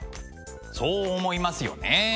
そう思いますよね。